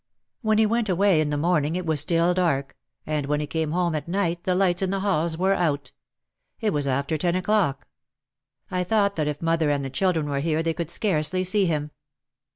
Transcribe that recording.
When he went away in the morning it was still dark, and when he came home at night the lights in the halls were out. It was after ten o'clock. I thought that if mother and the children were here they would scarcely see him.